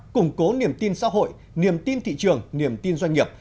củng cố niềm tin xã hội niềm tin thị trường niềm tin doanh nghiệp